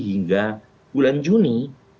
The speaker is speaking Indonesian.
hingga bulan juni